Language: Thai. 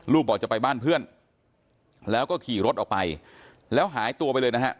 บอกจะไปบ้านเพื่อนแล้วก็ขี่รถออกไปแล้วหายตัวไปเลยนะฮะ